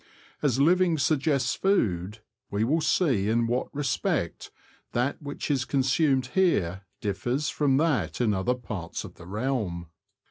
As living suggests food, we will see in what respect that which is consumed here differs from that in other parts of the realm.